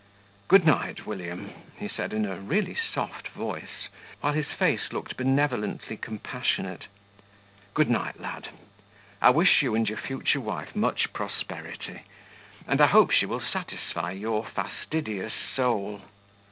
"Good night, William," he said, in a really soft voice, while his face looked benevolently compassionate. "Good night, lad. I wish you and your future wife much prosperity; and I hope she will satisfy your fastidious soul."